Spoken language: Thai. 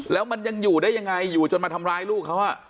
แล้วมันยังอยู่ได้ยังไงอยู่จนมาทำร้ายลูกเขา